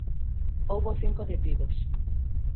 Houbo cinco detidos.